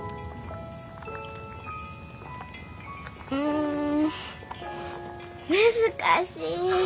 ん難しい。